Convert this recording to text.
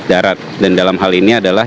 darat dan dalam hal ini adalah